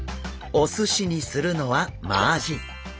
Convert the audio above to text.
お寿司にするのはマアジ。